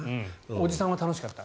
おじさんは楽しかった。